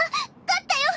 勝ったよ！